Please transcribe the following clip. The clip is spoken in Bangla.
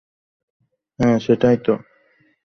হ্যাঁ, সেটাই তো!